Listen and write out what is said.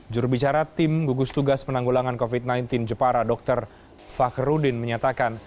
jurubicara tim gugus tugas penanggulangan covid sembilan belas jepara dr fakhrudin menyatakan